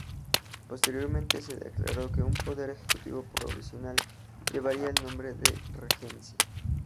Posteriormente se declaró que un Poder Ejecutivo provisional llevaría el nombre de Regencia.